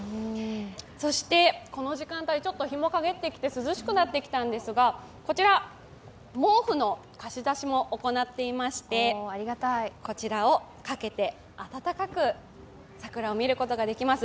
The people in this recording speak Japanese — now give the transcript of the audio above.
そしてこの時間帯、ちょっと日も陰ってきて涼しくなってきたんですがこちら、毛布の貸し出しも行っていまして、こちらをかけて、暖かく桜を見ることができます。